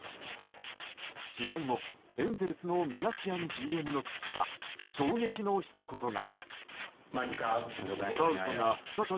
試合後、エンゼルスのミナシアンＧＭの口から衝撃のひと言が。